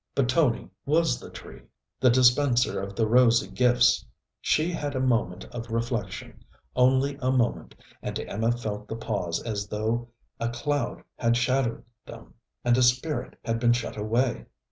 But Tony was the tree, the dispenser of the rosy gifts. She had a moment of reflection, only a moment, and Emma felt the pause as though a cloud had shadowed them and a spirit had been shut away.